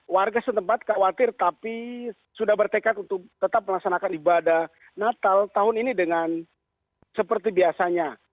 warga setempat khawatir tapi sudah bertekad untuk tetap melaksanakan ibadah natal tahun ini dengan seperti biasanya